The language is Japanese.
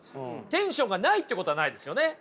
テンションがないということはないですよね。